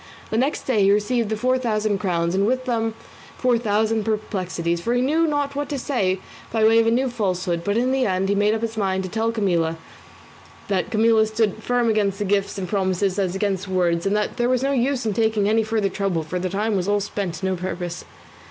The next day he received the four thousand crowns, and with them four thousand perplexities, for he knew not what to say by way of a new falsehood; but in the end he made up his mind to tell him that Camilla stood as firm against gifts and promises as against words, and that there was no use in taking any further trouble, for the time was all spent to no purpose.